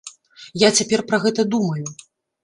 Я цяпер пра гэта думаю.